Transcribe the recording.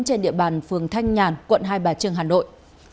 trên địa bàn phường thanh nhàn quận hai bà trưng hà nội